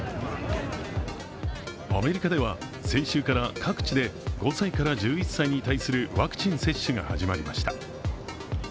アメリカでは先週から各地で５歳から１１歳に対するワクチン接種が始まりました。